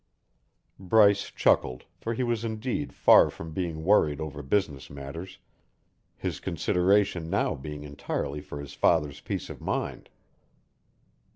Bryce chuckled, for he was indeed far from being worried over business matters, his consideration now being entirely for his father's peace of mind.